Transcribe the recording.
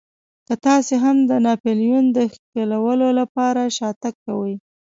که تاسې هم د ناپلیون د ښکېلولو لپاره شاتګ کوئ.